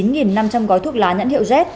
chín năm trăm linh gói thuốc lá nhãn hiệu z